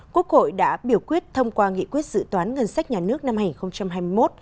quốc hội đã biểu quyết thông qua nghị quyết dự toán ngân sách nhà nước năm hai nghìn hai mươi một